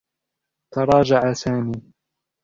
تراجع سامي.